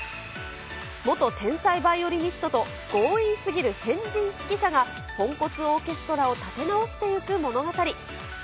元天才バイオリニストと、強引すぎる変人指揮者がポンコツオーケストラを立て直していく物語。